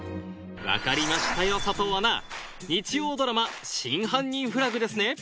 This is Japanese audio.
分かりましたよ佐藤アナ日曜ドラマ『真犯人フラグ』ですね